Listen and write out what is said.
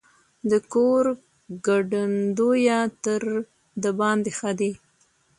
د کور ګټندويه تر دباندي ښه دی.